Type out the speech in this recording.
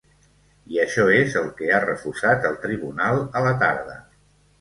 I això és el que ha refusat el tribunal a la tarda.